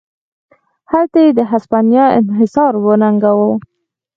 هلته یې د هسپانیا انحصار وننګاوه.